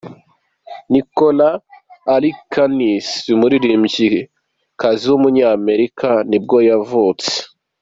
Nicole Atkins, umuririmbyikazi w’umunyamerika nibwo yavutse.